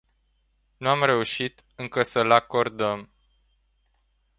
Nu am reușit încă să îl acordăm.